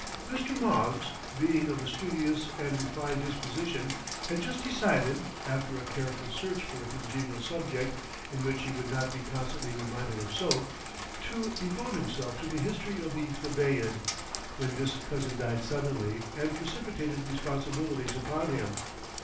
Mr. Moggs, being of a studious and refined disposition, had just decided—after a careful search for a congenial subject in which he would not be constantly reminded of soap—to devote himself to the History of the Thebaid, when this cousin died suddenly and precipitated responsibilities upon him.